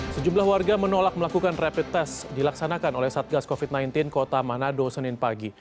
sejumlah warga menolak melakukan rapid test dilaksanakan oleh satgas covid sembilan belas kota manado senin pagi